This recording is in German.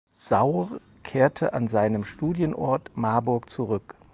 Saur kehrte an seinen Studienort Marburg zurück.